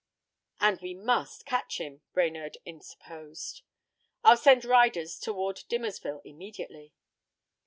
"And we must catch him," Brainerd interposed. "I'll send riders toward Dimmersville immediately."